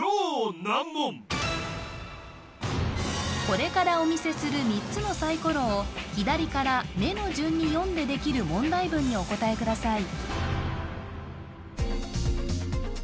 これからお見せする３つのサイコロを左から目の順に読んでできる問題文にお答えください